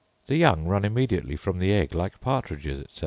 The young run immediately from the egg like partridges, etc.